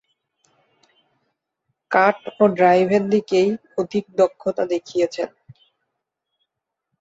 কাট ও ড্রাইভের দিকেই অধিক দক্ষতা দেখিয়েছেন।